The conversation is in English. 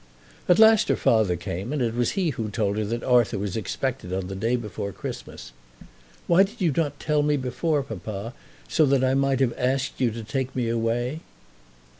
At last her father came, and it was he who told her that Arthur was expected on the day before Christmas. "Why did you not tell me before, papa, so that I might have asked you to take me away?"